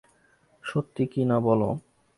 সত্যি কি না বলো।